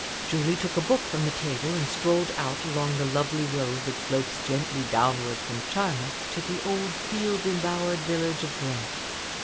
Julie took a book from the table and strolled out along the lovely road that slopes gently downward from Charnex to the old field embowered village of Brent.